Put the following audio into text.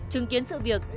chứng kiến sự việc